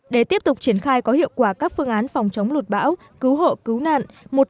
để tiếp tục triển khai có hiệu quả các phương án phòng chống lụt bão cứu hộ cứu nạn